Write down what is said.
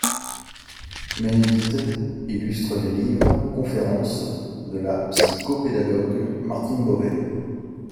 Bénédicte illustre les livres-conférences de la psychopédagogue Martine Bovay.